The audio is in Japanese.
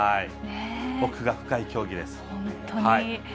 奥が深い競技です。